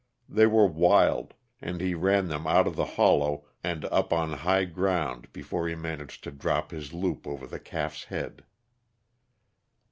They were wild, and he ran them out of the hollow and up on high ground before he managed to drop his loop over the calf's head.